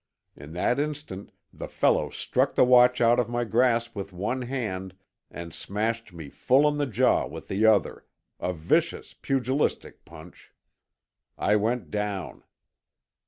In that instant the fellow struck the watch out of my grasp with one hand, and smashed me full on the jaw with the other—a vicious, pugilistic punch. I went down.